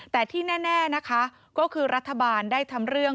แต่ที่แน่นะคะก็คือรัฐบาลได้ทำเรื่อง